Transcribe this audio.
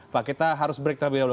pak kita harus break terlebih dahulu